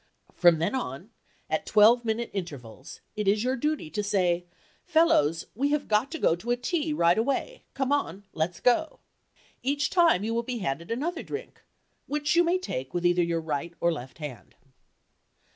From then on, at twelve minute intervals, it is your duty to say, "Fellows, we have got to go to a tea right away. Come on—let's go." Each time you will be handed another drink, which you may take with either your right or left hand.